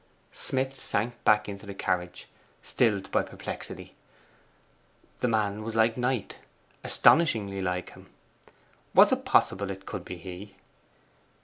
Smith sank back into the carriage, stilled by perplexity. The man was like Knight astonishingly like him. Was it possible it could be he?